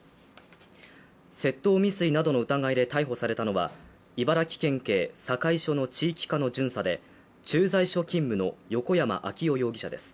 窃盗未遂などの疑いで逮捕されたのは茨城県警境署の地域課の巡査で、駐在所勤務の横山尭世容疑者です。